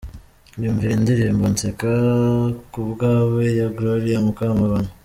Iyumvire Indirimbo "Nseka ku bwawe ya Gloria Mukamabano.